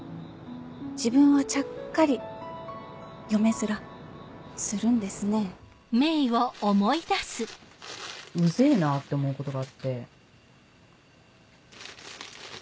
自分はちゃっかり嫁ヅラウゼェなって思うことがあって。